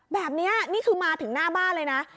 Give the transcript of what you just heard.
แบบนี้นี่คือมาถึงหน้าบ้านเลยนะ